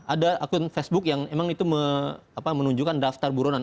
ada akun facebook yang memang itu menunjukkan daftar buronan